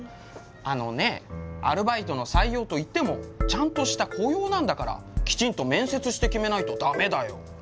あのねアルバイトの採用といってもちゃんとした雇用なんだからきちんと面接して決めないと駄目だよ。